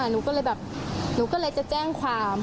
หนูก็เลยแบบหนูก็เลยจะแจ้งความ